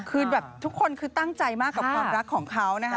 คือแบบทุกคนคือตั้งใจมากกับความรักของเขานะคะ